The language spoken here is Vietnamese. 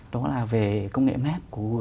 đó là về công nghệ map của pokemon go